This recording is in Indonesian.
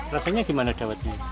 rasanya gimana dawetnya